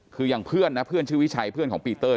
คืออย่างเพื่อนนะเพื่อนชื่อวิชัยเพื่อนของปีเตอร์